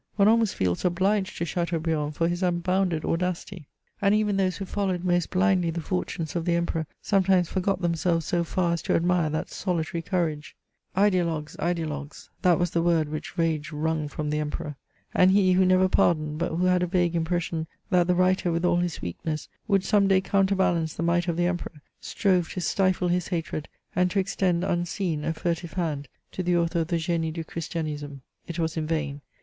— one almost feels obliged to Chateaubriand for his unbounded audacity ; and even those who followed most blindly the fortunes of the Emperor sometimes forgot them selves so far as to admire that solitary courage. Ideologues! ideologues! — ^that was the word which rage wrung from the Emperor. And he, who never pardoned, but who had a vague impression that the writer, with all his weakness, would some day counterbalance the might of the Emperor, strove to stifle his hatred, and to extend, unseen, a furtive hand to the author of the GMe du Ckristianisme, It was in vain.